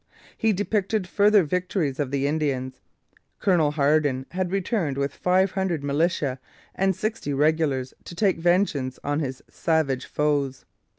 He depicted further victories of the Indians. Colonel Hardin had returned with five hundred militia and sixty regulars to take vengeance on his savage foes.